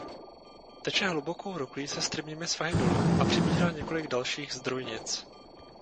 Teče hlubokou roklí se strmými svahy dolů a přibírá několik dalších zdrojnic.